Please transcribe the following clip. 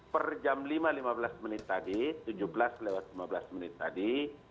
per jam lima lima belas menit tadi tujuh belas lewat lima belas menit tadi